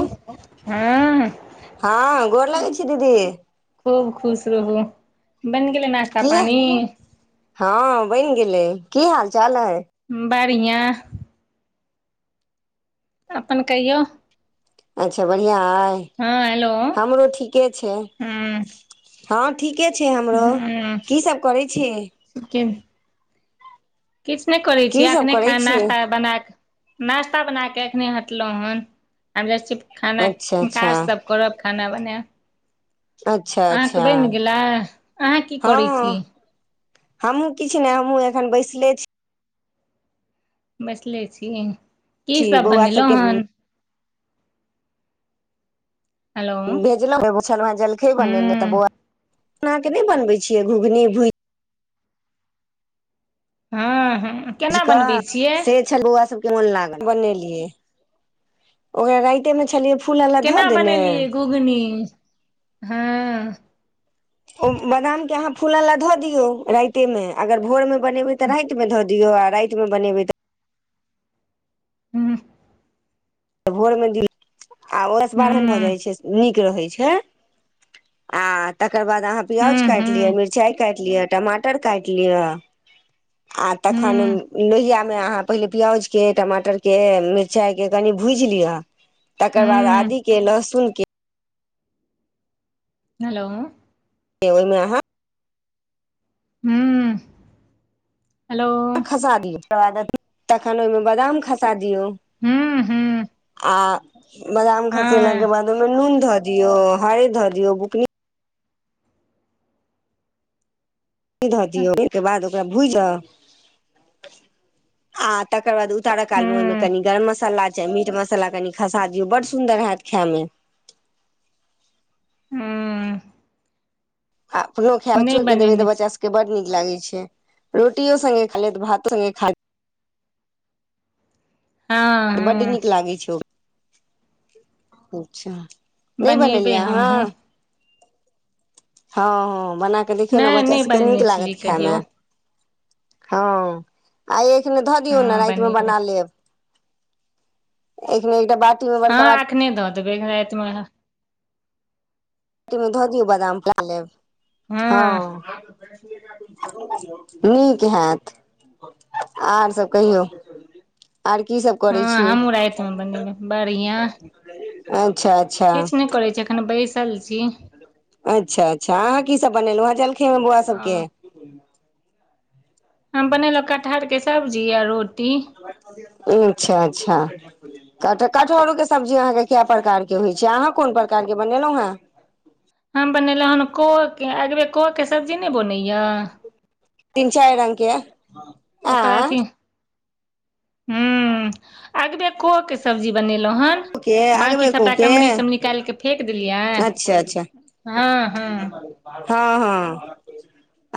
आइ हँ हँ गोर लगै छी दीदी खूब खुश रहू बैन गेलै नाश्ता की पानी हँ बैन गेलै की हाल चाल हइ बढ़िया अपन कहियौ अच्छा बढ़िया अइ हँ हेलो हमरो ठीके छै हँ हँ ठीके छै हमरो की सब करै छी सिक्किम किछ नय करै छी की सब एखने करै खा छी नाास्ता बना कऽ नाास्ता बना केँ एखने हटलहुँ हेन आब जाई छियै खाना अच्छा अच्छा काज सब करब खाना बनैब अच्छा अहाँकेँ अच्छा बैन गेला अहाँ की करै छी हँ हमहूँ किछ नय हमहुँ एखन बैसले छी बैसले छी की छी सब बौआ बनेलहुँ सभके हन हेलो हूँ भेजलहु एगो छलोह हे जलखे बनेने तऽ बौआ एना केँ नय बनबे छियै घुघनी भु हँ हँ इज केना बनबै कऽ छियै से छेल बोआ सबके मन लागल बनेलियै ओकरा राइते मऽ छलियै फूल अला केना धऽ देने बनेलियै घुघनी हँ ओ बादाम केँ अहाँ फूलै लऽ धऽ दियौ राइते मे अगर भोर मे बनेबै तऽ राइत मऽ धऽ दियो आ राइत मे बनेबै तऽ हुँ तऽ भोर मे दी आ ओहिसँ बारन भऽ हूँ जाइ छै नीक केँ होई छै आ तकर बाद अहाँ प्याज हूँ काइट लियऽ हूँ मिचाई काइट लियऽ टमाटर काइट लियऽ हूँ ओहिमे अहाँ पहिले प्याज केँ टमाटर केँ मिरचाई केँ कनि भु भूज लिय तकर बाद हूँ आदी के लहसुन के हेलो ओईमे आहाँ हूँ खसा दियौ तकर बाद तखन ओहिमे बादाम खसा दियौ हूँ हूँ आ बादाम खसेलाक हँ के बाद ओहिमे नून धऽ दियऔ हरैद धऽ दियऔ बुकनी ध दियौ ओ के बाद ओकरा भुज क आ तकर बाद उत उतारकाल मे ओहिमे हूँ कनि गरम मसला चाहे मीट मसला कनि खसा दियऔ बड सुंदर हयत खाय मे। हूँ आ अपनो खाब नहि बच्चो के देबै तऽ बनेने छी बच्चा सब के बड नीक लागै छै रोटियो संगे खालेत भातो नी खालेत हँ बड्ड हँ नीक लागै छै ओ अचछा नै बनेबै बनेलिया आहाँ। हमहूँ हँ हँ बना कऽ देखियौ न नहि बच्चा नहि सबके नीक बनेने छलियै लागत खायइमे। कहियो हँ आय एखने धऽ दियौ न हँ रातिमे बनेबै बना लेब। एखने एकटा बत। हँ एखने धऽ देबै रातिमे। [unintelligible] मे धऽ दियौ बादाम खा लेब हँ। नीक हएत। आर सब कहियौ आर की सब करै हँ छी हमहूँ राति मे बनेबै बढ़िआं। अच्छा अच्छा किछ नै करै छी एखन बैसल छी। अच्छा अच्छा अहाँ की सब बनेलौ हँ जलखै मे बौआ आ सबके। हम बनेलौ कटहर के सब्जी आ रोटी। अच्छा अच्छा क कटहरोके सब्जी अहाँके के कए प्रकारके होइ छै अहाँ कोन प्रकारके बनेलौ हँ हम बनेलौ हन को के अगबे को के सब्जी नै बनैया। तीन चारि रंगके ओकर अथी हूँ अगबे कोऽ के स सब्जी बनेलों हन के बाकी अगबेको सबटा के कमरी सब निकाल के फेक देलियै। अच्छा अच्छा हँ हँ हँ हँ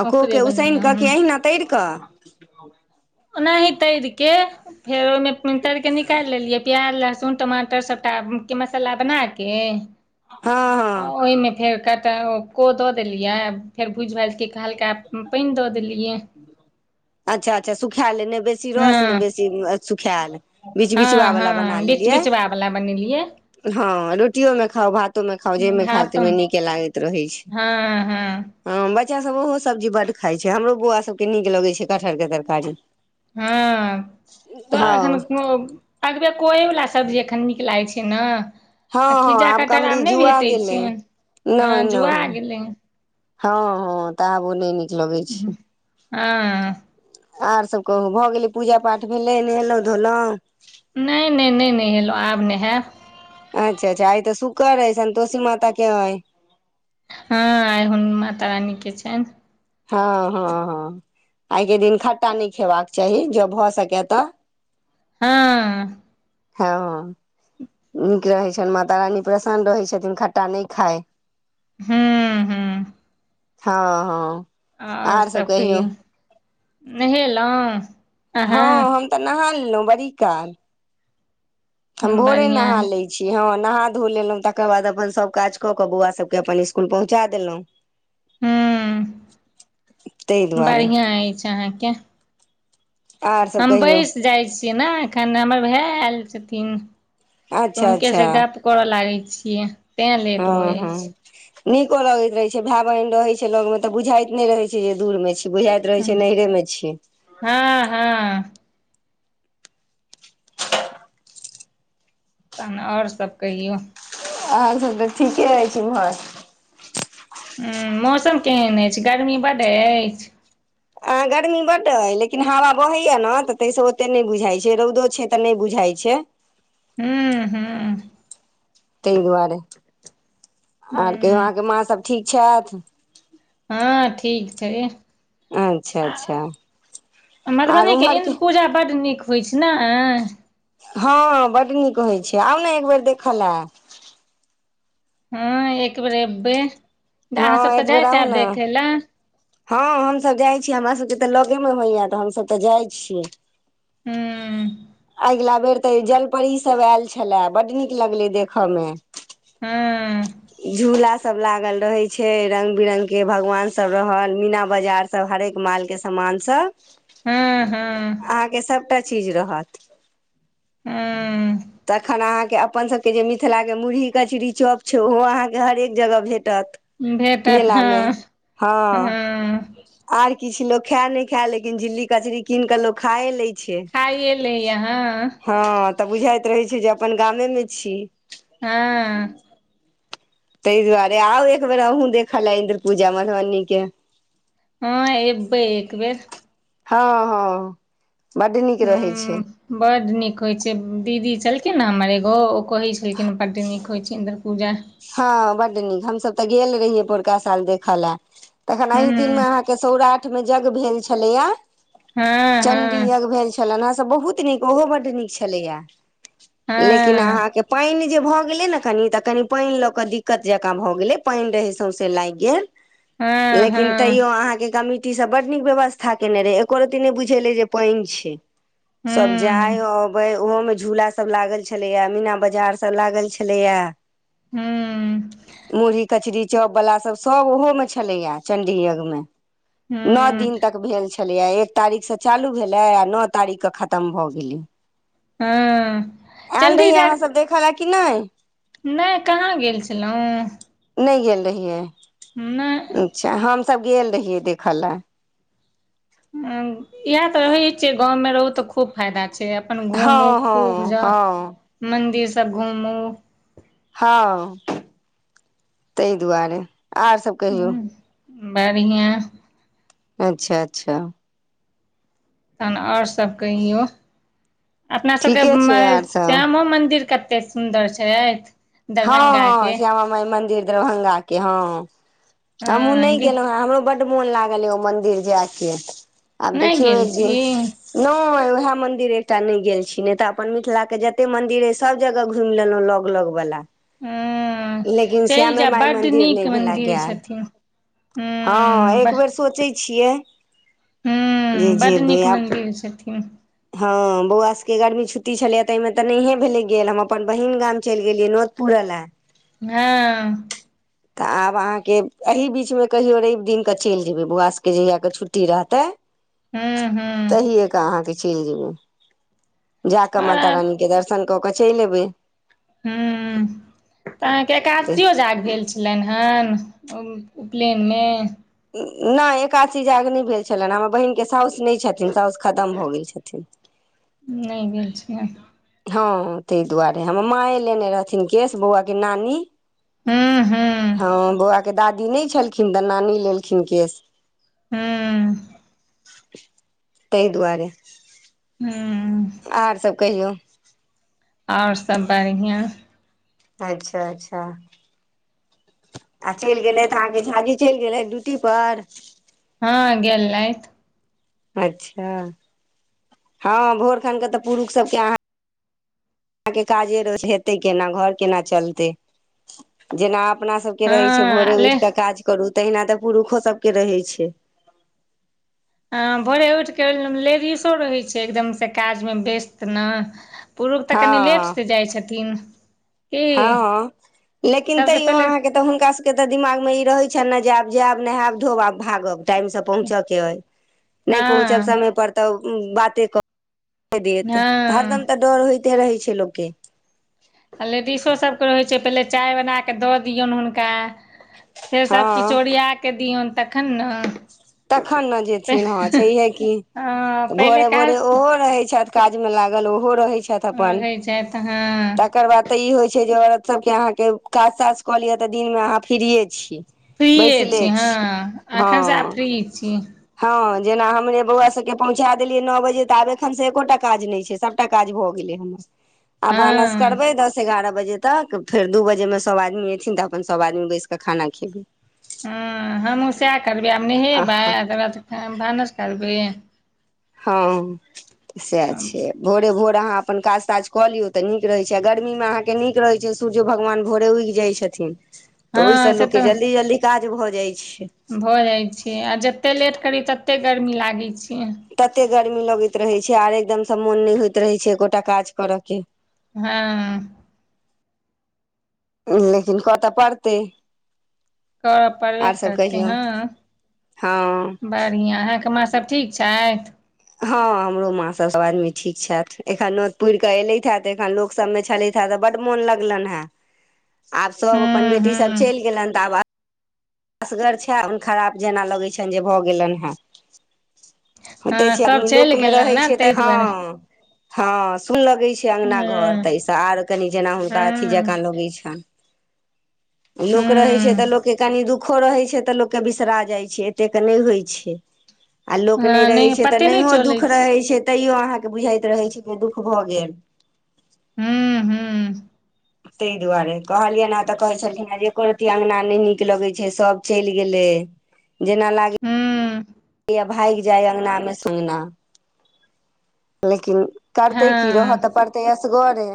आ को ओकरे के उसैन बनेलहुँ कऽ कि हन अहिना तैर कऽ। ओनाही तैर के फेर ओहिमे तैर के निकालि लेलियै प्याज लहसुन टमाटर सब। टा के मसाला बनाके हँ आ हँ ओहिमे फेर कट को दऽ देलियाय फेर बुझ भाएज के हलका पैन दऽ देलियै। अच्छा अच्छा सुखा ले ने बेसी रस ने हँ बेसी। सुखाएल बिछ बिछवा हँ वाला बना हँ बीच लेलियै। बिचवा वला बनेलियै हँ रोटियो मे खाउ भात। तो मे खाव जै मे खाएब भात तैमे नीके लागैत रहै छैय। हँ बच्चा सब ओहो सब्जी बड खाइ छैय। हमरो बौआ सबके नीक लगै छै कटहरके तरकारी। हँ तऽ हँ एखन [unintelligible] अगबे कोऐ वला सब्जी एखन नीक लागै छै न हँ हँ आब कमरी जुआ गेलै हँ नय जुआ नय। गेलै हँ हँ तबो नै नीक। लगै [unintelligible] आओर सभ कहूँ भऽ गेलै पूजा पाठ भेलै नहेलहुँ धोलहुँ। नय नय नय नहेलो आब नहायब। अच्छा अच्छा आइ तऽ सुकर अछि सन्तोषी माता केँ अय। हँ आय हुन माता रानी केँ छैन हँ हँ हँ आइकेँ दिन खट्टा नय खेबाक चाही जो भऽ सकय तऽ। हँ हँ नीक रहैत छैन माता रानी प्रसन्न रहै छथिन खट्टा नय खाय। हुँ हुँ हँ हँ आओर सब कहियौ। नहेलहुँ हँ अहाँ हम तऽ नहा लेलहुँ बड़ी काल हम भोरे बढ़िआँ नहा अइ। लै छी हँ नहा धो लेलहुँ तकर बाद अपन सभ काज कऽ कऽ बौआ सभके अपन इसकुल पहुँचा देलहुँ। ताहि हुँ दुआरे बढ़िया अछि अहाँकेँ। आर सभ हम कहियौ बैस जाइ छियै नऽ एखन हमर भाय आयल छथिन। तऽ अच्छा हुनके अच्छा सँ गप करऽ लागै छियै। तें लेट भऽ हँ जाइ छै हँ नीको लगैत रहे छै भाय बहिन रहे छै लग मे तऽ बुझाइत नय रहे छै जे दूर मे छी बुझाइत रहै छै नहिरे मे छी हँ हँ तहन आओर सभ कहियौ अहाँ सभ तऽ ठीके अछि इम्हर हुँ मौसम केहन अछि गर्मी बड्ड अछि आँ गर्मी बड्ड अय लेकिन हवा बहै यऽ नऽ तऽ ताहिसँ ओतेक नय बुझाइत छै रउदो छै तऽ नय बुझाइत छै हुँ हुँ ताहि दुआरे आओर कहियो हूँ अहाँकेँ माँ सभ ठीक छैथ हँ ठीक छै अच्छा अच्छा आर मधुबनी केँ उम्हर इन्द्र के पूजा बड्ड नीक होइछ नैय हँ बड्ड नीक होइ छै आउ नऽ एकबर देखऽ लऽ हँ एक बेेर एब्बे अहाँ हँ सब तऽ एक बेर जायत आउ हैब ने देखे लऽ हँ हमसभ जाइ छी हमरा सबके तऽ लगे मे होइया तऽ हमसभ तऽ जाइ छियै हुँ अगिला बेर तऽ जलपरी सभ आयल छलै बड्ड नीक लगलै देखयमे हँ झूला सब लागल रहे छै रंग बिरंग केँ भगवान सब रहल मीना बाजार सब हरेक माल केँ समान सब हँ हँ अहाॅंकेँ सभटा चीज रहत हँ तखन अहाँकेँ अपन सभ केँ जे मिथिला केँ मुरही कचरी चॉप छै ओहो अहाँकेँ हरेक जगह भेटत भेटत मेला मे हँ हँ हँ आर किछ लोक खाए नय खाए लेकिन झिल्ली कचरी कीन केँ लोक खाए लै छै खाइये लय यऽ हँ हँ तऽ बुझाइत रहै छै जे अपन गामे मे छी हँ ताहि दुआरे आउ एक बेर अहूँ देखऽ लऽ इन्द्र पूजा मधुबनी केँ हँ एबै एक बेर हँ हँ बड्ड नीक रहै छै हुँ बड्ड नीक होइ छै दीदी छलखिन नऽ हमर एगो ओ कहै छलखिन बड्ड नीक होइ छै इन्द्र पूजा हँ बड्ड नीक हमसभ तऽ गेल रहियै पोरका साल देखऽ लऽ तखन एहि दिनमे हूँ अहाँ केँ सौराठ मे जग भेल छलै यऽ हँ चंडी हँ यज्ञ भेल छलैन हन से बहुत निक ओहो बड्ड निक छलै यऽ लेकिन हँ अहाँकेँ पाइन जे भऽ गेलै नऽ कनि तऽ कनि पाइन लऽ कऽ दिक्कत जकाँ भऽ गेलै पाइन रहै सौसे लाइग गेल हँ लेकिन हँ तैयो अहाँकेँ कमी टी सब बड नीक व्यवस्था केने रहै एको रती नय बुझेलै जे पाइन छै सब हूँ जाइ अबै ओहो मे झूला सब लागल छलैय मीना बाजार सब लागल छलैय हुँ मुरही कचरी चाॅपवला सभ - सभ ओहोमे छलै चण्डी यज्ञ मे नौ हूँ दिन तक भेल छै छलै यऽ एक तारीक सँ चालू भेलै आ नौ तारीक कऽ खतम भऽ गेलै हँ आयल रहीयै अहाँ सब देखऽ ले की नय नय कहाँ गेल छलहुँ नय गेल रहियै नय अच्छा हमस गेल रहियै देखऽ लऽ इहै तऽ रहै छियै गाँवमे रहू तऽ खूब फायदा छै अपन हँ घूमू खूब हँ हँ जाउ मंदिर सब घूमू हँ ताहि दुआरे आर सब कहियौ हुँ बढ़िया अच्छा अच्छा तहन आओर सब कहियौ अपना सबके ठीके छै आर सब श्यामो मन्दिर कऽ ते सुन्दर छैथ हँ हँ श्यामा माई मंदिर दरभंगा केँ हूँ हँ बड्ड मोन लागल यऽ ओ मंन्दिर जाय केँ आब नहि देखियौ गेल एक छी दिन नय ओहै मंदिर एकटा नय गेल छी नय तऽ अपन मिथिला केँ जते मंन्दिर अइ सभ जगह घूम लेलहुँ लग लग वाला हुँ लेकिन श्यामे माइ मन्दिर नय भेला मन्दिर गैल छथिन हँ हूँ एकबेर सोचै छियै जे हुँ बड्ड जेबै नीक आब मन्दिर छथिन हँ बौआ सभ केँ गर्मी छुट्टी छलैय तऽ एहिमे तऽ नहिये भेले गेल हम अपन बहिन गाम चैल गेलियै नोत पुरै लऽ हँ तऽ आब अहाँ केँ एही बीच मे कहियो रवि दिन कऽ चैल जेबै बौआ सबके जहिया केँ छुट्टी रहते [inaudible] हूँ हूँ तहिए कऽ अहाँके चलि जेबै जाकऽ माता आओर रानीके दर्शन कऽ कऽ चलि एबै हूँ तऽ अहाँके एकादशियो जाग भेल छ लनि हन उपलैयनमे नय एकासी जाग नै भेल छलैन हमर बहिनके साउस नै छथिन साउस खतम भऽ गेल छथिन नै गेल छियै हँ हँ ताहि दुआरे हमर माए लेने रहथिन केश बौआके नानी हूँ हूँ हँ बौआके दादी नै छलखिन तऽ नानी लेलखिन केश हूँ ताहि दुआरे हँ आर सब कहियौ आओर सब बढ़िआँ अच्छा अच्छा आ चलि गेलै थऽ अहाँके झाजी चलि गेलै ड्यूटी पर हँ गेलैथ अच्छा हँ भोर खन क तऽ पुरुख सबके आहाँ अहाँ के काजे रो हेतै केना घर केना चलतै जेना अपना सखके रहै छै भोरे हँ ले उठि कऽ काज करू तहिना तऽ पुरुखो सबके रहै छै हँ भोरे उठि केऽ लेडिसो रहै छै एकदमसँ काजमे व्यस्त न पुरुख तऽ कनि लेट से जाइ छथिन की हँ हँ लेकिन सबसँ तैयो पहिले अहाँके तऽ हुनका सबके तऽ दिमाग मे ई रहै छनि न जे आब जाएब नहाएब धोब आब भागब टाइम पहुच के अई नै पहुचब हँ समय पर तऽ बाते देत हरदम हँ तऽ डर होइते रहै छै लोकके आ लेडिसोसबके रहै छै पहिले चाय बना कऽ दऽ दियौन हुनका फेर हँ सबकिछु ओरिया कऽ दिययौन तखन न तखन न जेथिन हँ छैहे की हँ पहिले भोरे भोरे काज ओहो रहै छथि काज मे लागल ओहो रहै छथि अपन रहै छथि हँ तकर बाद तऽ ई होय छै जे औरत सब के अहाँ के काज ताज कऽ लि तऽ दिन मे अहाँ फ्रिये छी फ्रीए छी हँ एखन स आब हँ फ्री छी हँ जेना हमरे बौआ सबके पहुँचा देलियै न बजे तऽ आब एखन स एकोटा काज नै छै सबटा काज भऽ गेलय आब भानस हँ करबय दस एगारह बजे तक फेर दू बजेमे सब आदमी एथिन तऽ अपन सब आदमी बैस कऽ खाना खेबै हूँ हमहूँ सएह करबय आब अहाँ नहेबाय तकर बाद भानस करबैय हँ सएह छियै भोरे भोर अहाँ अपन काज ताज कऽ लियौ तऽ नीक रहैत छै आ गर्मीमे अहाँके नीक रहैत छै सूरजो भगवान भोरे उगि जाइ छथिन तऽ ओहिस हँ से लोक के तऽ जल्दी जल्दी काज भऽ जाइ छै भऽ जाइ छै आ जते लेट करी तते गर्मी लागै छै तते गर्मी लगैत रहै छै आर एकदमसँ मोन नहि होइत रहै छै एकोटा काज करऽ के हँ लेकिन कतऽ पड़तै करऽ पड़बे आर सब करतै कहियौ हाँ हँ बढ़िआँ अहके माँ सब ठीक छैथ। हँ हमरो माँ सब सभ आदमी ठीक छथि एखन नोत पुर कऽ एलथि हे त एखन लोक सब मे छलथि हे तऽ बड मोन लगलनि हें आब सब अपन हूँ बेटी सब हूँ चलि गेलेन तऽ आब असगर छे मोन खराब जेना लगैत छेय जेना भऽ गेलेन हँ। होते हँ छैय सब आदमी चलि लोकमे गेल रहै ने छै तऽ ताहि दुआरे हँ। हँ सुन लगैछै अंगना घर हँ तऽहिसँ आर कनि जेना हुनका अथि हँ जँका लगैत छनि लोक रहै छैय हूँ तऽ लोक के कनि दुःख खो रहै छैय तऽ लोक के बिसरा जाइ छै एतेक नैय होइ छैय। आ लोक नहि हँ रहैत छै तऽ पते नहि नहियो चलै दुःख रहै छै तैयो अहाँके बुझाइत रहैत छै जे दुःख भऽ गेल हू हू तैय दुआरे कहलियनि हेँ तऽ कहै छलखिन हेँ जे एको रति अंगना नैय नीक लगै छै सभ चैल गेलै। जेना लागै यै हूँ इय भागि जाय अंगना मे सुगना। लेकिन करतै की रहऽ हँ तऽ पड़तै असगरे।